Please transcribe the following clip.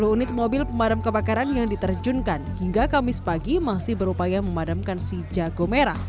sepuluh unit mobil pemadam kebakaran yang diterjunkan hingga kamis pagi masih berupaya memadamkan si jago merah